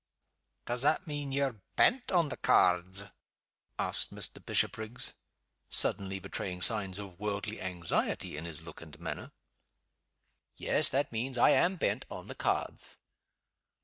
"Does that mean that ye're bent on the cairds?" asked Mr. Bishopriggs, suddenly betraying signs of worldly anxiety in his look and manner. "Yes that means I am bent on the cards."